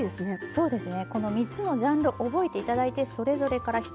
そうですね。